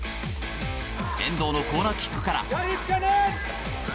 遠藤のコーナーキックから。